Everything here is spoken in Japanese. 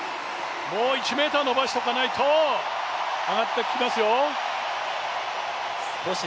もう１ｍ伸ばしておかないと上がってきますよ。